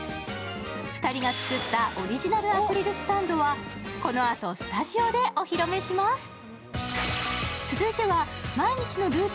２人が作ったオリジナルアクリルスタンドはこのあと、スタジオでお披露目します。